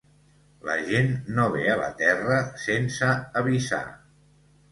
La gent no ve a la terra sense avisar